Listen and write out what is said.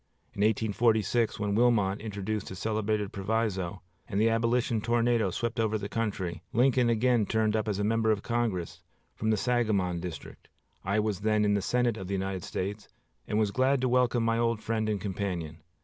In 1846, when Wilmot introduced his celebrated proviso, and the Abolition tornado swept over the country, Lincoln again turned up as a member of Congress from the Sangamon district. I was then in the Senate of the United States, and was glad to welcome my old friend and companion.